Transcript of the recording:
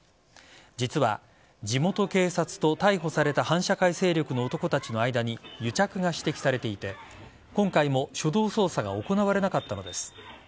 実は地元警察と逮捕された反社会勢力の男たちとの間に癒着が指摘されていて今回も初動捜査が行われなかったのです。